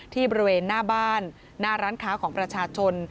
บริเวณหน้าบ้านหน้าร้านค้าของประชาชน